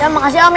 makasih om ya